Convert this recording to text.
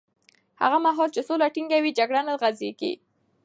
هغه مهال چې سوله ټینګه وي، جګړه نه غځېږي.